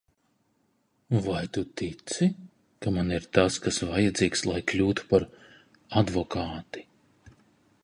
Vai tu tici, ka man ir tas, kas vajadzīgs, lai kļūtu par advokāti?